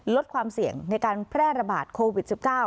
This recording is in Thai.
ลดความเสี่ยงในการแพร่ระบาดโควิด๑๙